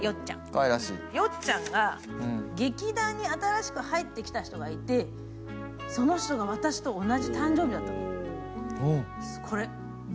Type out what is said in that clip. よっちゃんが、劇団に新しく入ってきた人がいてその人が私と同じ誕生日だったと。